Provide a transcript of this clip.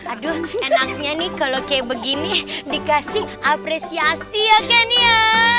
aduh enaknya nih kalau kayak begini dikasih apresiasi ya kan ya